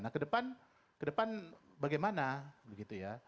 nah kedepan bagaimana begitu ya